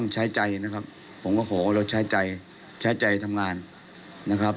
ใช้ใจนะครับผมก็ขอเราใช้ใจใช้ใจทำงานนะครับ